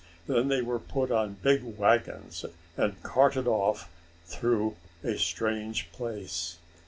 Then they were put on big wagons and carted off through a strange place.